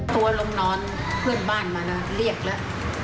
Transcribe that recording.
ตัวลงนอนเพื่อนบ้านมานะเรียกแล้ว